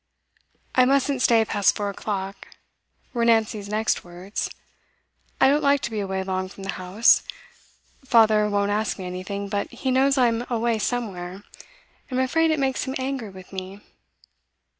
'I mustn't stay past four o'clock,' were Nancy's next words. 'I don't like to be away long from the house. Father won't ask me anything, but he knows I'm away somewhere, and I'm afraid it makes him angry with me.